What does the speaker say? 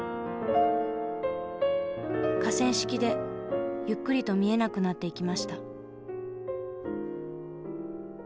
河川敷でゆっくりと見えなくなっていきました。